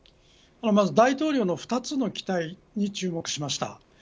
大統領の２つの期待に注目しました。